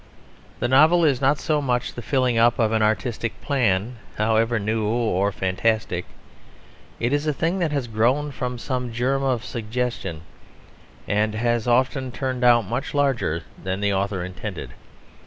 The novel is not so much the filling up of an artistic plan, however new or fantastic. It is a thing that has grown from some germ of suggestion, and has often turned out much larger than the author intended.